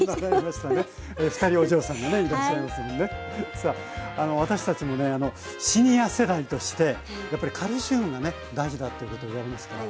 さあ私たちもねシニア世代としてやっぱりカルシウムがね大事だってこと言われますから。